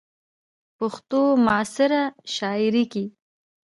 ،پښتو معاصره شاعرۍ کې